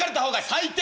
「最低！」。